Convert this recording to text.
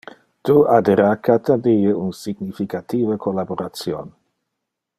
Tu addera cata die un significative collaboration!